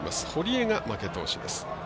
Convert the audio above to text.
塹江が負け投手です。